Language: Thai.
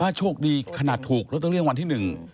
ป้าโชคดีขนาดถูกแล้วต้องเรียงวันที่๑